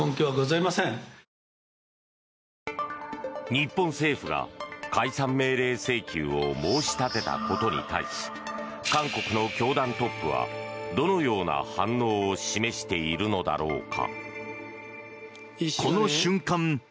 日本政府が解散命令請求を申し立てたことに対し韓国の教団トップはどのような反応を示しているのだろうか。